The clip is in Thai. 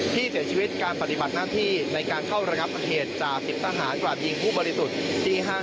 ที่เสียชีวิตการปฏิบัติหน้าที่ในการเข้าระงับเหตุจาก๑๐ทหารกราดยิงผู้บริสุทธิ์ที่ห้าง